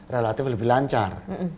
relatif lebih lancar